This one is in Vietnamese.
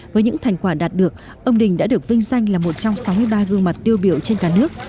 với những thành quả đạt được ông đình đã được vinh danh là một trong sáu mươi ba gương mặt tiêu biểu trên cả nước